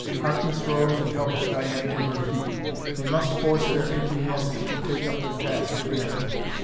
Harkness rose and helped Diane to her feet: they must force their aching muscles to take up their task again.